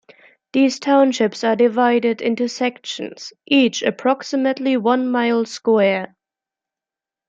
These townships are divided into sections, each approximately one-mile square.